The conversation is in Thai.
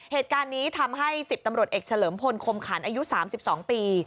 เหตุการณ์นี้ทำให้๑๐ตำรวจเอกเฉลิมพลคมขันอายุ๓๒ปี